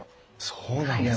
そうなんですね。